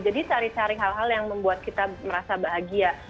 jadi cari cari hal hal yang membuat kita merasa bahagia